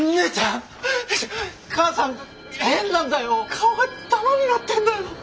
顔が玉になってんだよ！